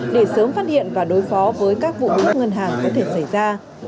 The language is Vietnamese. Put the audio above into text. để sớm phát hiện và đối phó với các vụ cướp ngân hàng có thể xảy ra